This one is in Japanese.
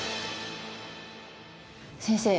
先生